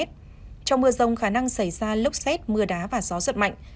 trong mưa rông khả năng xảy ra lốc xét mưa đá và gió giật mạnh